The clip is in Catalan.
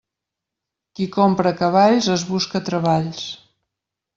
Qui compra cavalls es busca treballs.